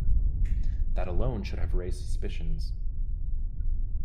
That alone should have raised suspicions.